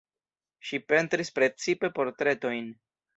Ŝi pentris precipe portretojn.